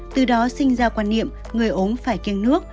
từ đó sinh ra quan niệm người ốm phải kiêng nước